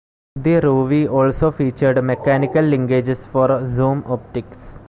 The Ruvi also featured mechanical linkages for zoom optics.